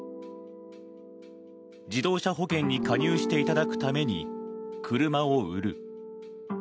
自動車保険に加入していただくために車を売る。